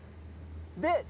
で。